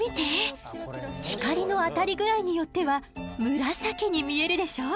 光の当たり具合によっては紫に見えるでしょう？